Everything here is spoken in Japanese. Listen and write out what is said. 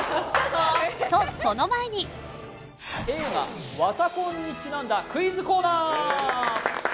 きたぞ！とその前に映画「わた婚」にちなんだクイズコーナー！